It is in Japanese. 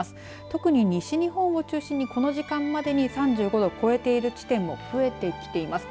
特に西日本を中心にこの時間までに３５度を超えている地点も増えてきています。